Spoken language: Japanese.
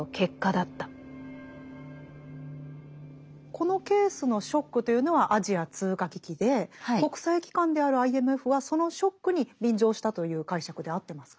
このケースのショックというのはアジア通貨危機で国際機関であるＩＭＦはそのショックに便乗したという解釈で合ってますか？